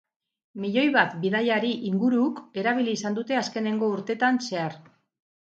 Milioi bat bidaiari inguruk erabili izan dute azkenengo urteetan zehar.